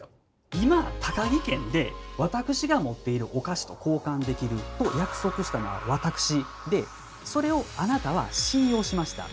今「タカギ券で私が持っているお菓子と交換できる」と約束したのは私でそれをあなたは信用しました。